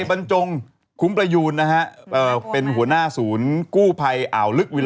โอ้โหเป็นไงแล้ว